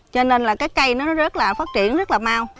cho nên là cái cây nó rất là phát triển rất là mau